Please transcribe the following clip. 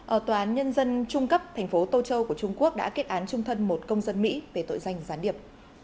ở tòa án nhân dân trung cấp thành phố tô châu của trung quốc đã kết án trung thân một công dân mỹ về tội danh gián điệp